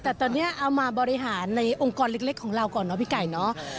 แต่ตอนนี้เอามาบริหารในองค์กรเล็กของเราก่อนเนาะพี่ไก่เนอะ